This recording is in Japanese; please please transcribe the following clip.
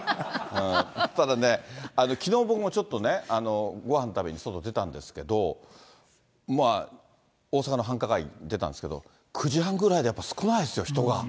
ただね、きのう、僕もちょっとね、ごはん食べに外出たんですけど、大阪の繁華街に出たんですけど、９時半ぐらいでやっぱり少ないですよ、人が。